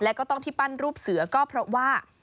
แล้วก็ต้องที่ปั้นรูปเสือก็เพราะว่า